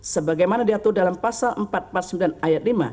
sebagaimana diatur dalam pasal empat ratus empat puluh sembilan ayat lima